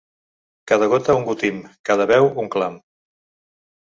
Cada gota un gotim, cada veu, un clam.